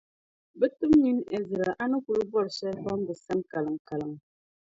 bɛ tim’ nyin’ Ɛzra a ni kul bɔri shɛlikam bɛ sani kaliŋkaliŋ.